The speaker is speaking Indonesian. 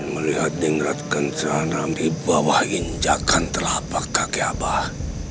melihat nikrat kencana di bawah injakan telapak kaki abah